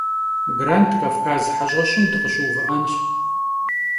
Grand Kavkaz heş'eşım dıkhışıuvı'enş.